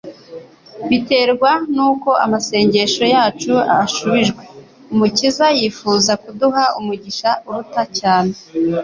biterwa n'uko amasengesho yacu ashubijwe. Umukiza yifuza kuduha umugisha uruta cyane